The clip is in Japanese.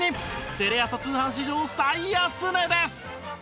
テレ朝通販史上最安値です！